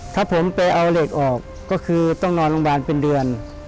ถ้าผมไปเอาเหล็กออกก็คือต้องนอนโรงพยาบาลเป็นเดือน